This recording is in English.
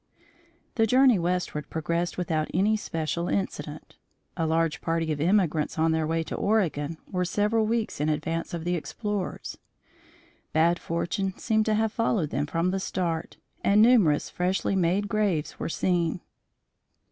The journey westward progressed without any special incident. A large party of emigrants on their way to Oregon were several weeks in advance of the explorers. Bad fortune seemed to have followed them from the start, and numerous freshly made graves were seen.